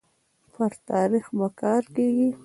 پر تاريخ به کار کيږي